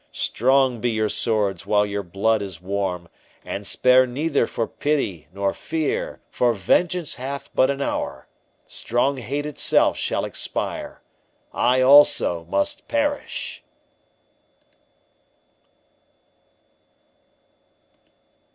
Strong be your swords while your blood is warm, And spare neither for pity nor fear, For vengeance hath but an hour; Strong hate itself shall expire I also must perish!